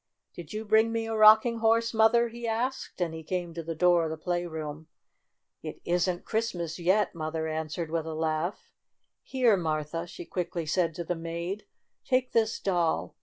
Did you bring me a rocking horse, THE BIRTHDAY PARTY 51 Mother ?" he asked, and he came to the door of the playroom. "It isn't Christmas yet," Mother an swered, with a laugh. "Here, Martha," she quickly said to the maid. "Take this doll.